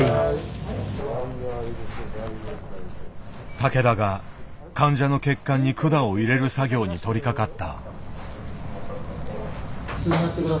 竹田が患者の血管に管を入れる作業に取りかかった。